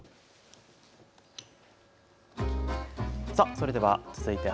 それでは続いて＃